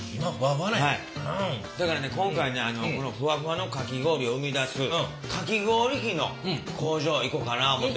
だから今回ねこのふわふわのかき氷を生み出すかき氷機の工場行こかな思ってますねん。